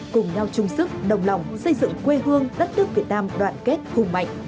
cùng nhau chung sức đồng lòng xây dựng quê hương đất nước việt nam đoàn kết cùng mạnh